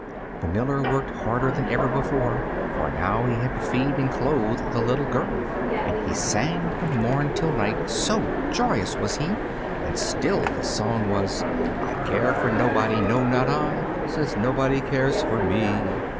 The miller worked harder than ever before, for now he had to feed and clothe the little girl; and he sang from morn till night, so joyous was he, and still his song was: "I care for nobody, no! not I, Since nobody cares for me."